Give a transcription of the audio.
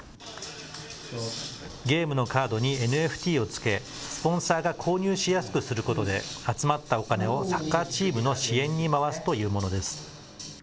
ゲームのカードにＮＦＴをつけ、スポンサーが購入しやすくすることで、集まったお金をサッカーチームの支援に回すというものです。